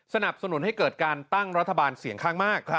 สนับสนุนให้เกิดการตั้งรัฐบาลเสียงข้างมาก